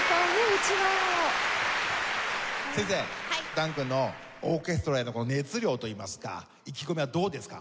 暖くんのオーケストラへの熱量といいますか意気込みはどうですか？